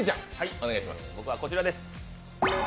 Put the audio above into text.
僕はこちらです。